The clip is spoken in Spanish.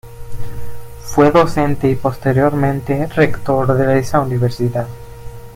Fue docente y posteriormente rector de esa Universidad.